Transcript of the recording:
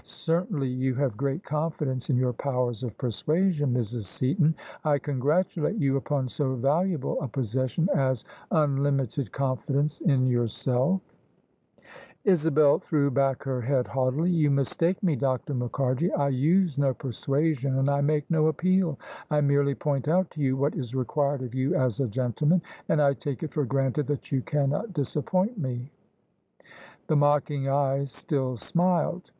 Certainly you have great confidence in your powers of persuasion, Mrs. Seaton : I congratulate you upon so valuable a posses sion as unlimited confidence in yourself." THE SUBJECTION Isabel threw back her head hau^tily. "You mistake me, Dr. Mukharji: I use no persuasion and I make no appeal. I merely point out to you what is required of you as a gentleman, and I take it for granted that you cannot disappoint me.'' The mocking eyes still smiled.